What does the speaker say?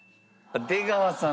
出川さん